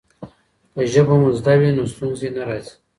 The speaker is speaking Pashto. که ژبه مو زده وي نو ستونزې نه راځي.